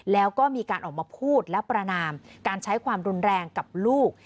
แล้วก็มีการออกมาพูดและประนามการใช้ความรุนแรงกับลูก